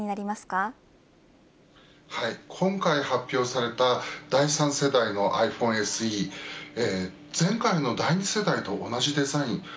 今回発表された第３世代のｉＰｈｏｎｅＳＥ前回の第２世代と同じデザイン